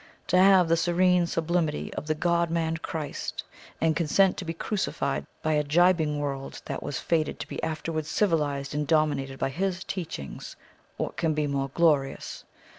To have the serene sublimity of the God man Christ, and consent to be crucified by a gibing world that was fated to be afterwards civilized and dominated by His teachings, what can be more glorious?